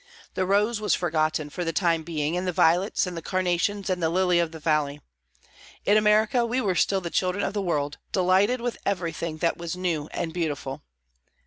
The rose was forgotten for the time being, and the violets, and the carnations, and the lily of the valley. In America we were still the children of the world, delighted with everything that was new and beautiful.